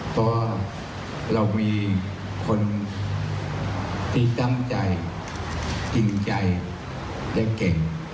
เพราะว่าเรามีคนที่ตั้งใจจริงใจและเก่ง